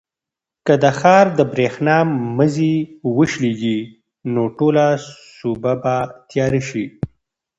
که د ښار د برېښنا مزي وشلېږي نو ټوله سوبه به تیاره شي.